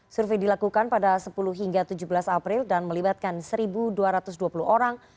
survei dilakukan pada sepuluh hingga tujuh belas april dan melibatkan satu dua ratus dua puluh orang